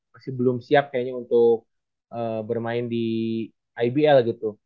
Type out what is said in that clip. masih belum siap kayaknya untuk bermain di ibl gitu